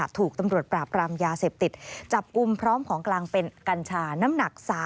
ถูกตำรวจปราบรามยาเสพติดจับกลุ่มพร้อมของกลางเป็นกัญชาน้ำหนัก